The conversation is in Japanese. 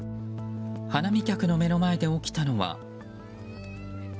花見客の目の前で起きたのは。